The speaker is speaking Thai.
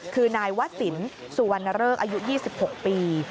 คือนายวะสินสุวรรณเริกอายุ๒๖ปี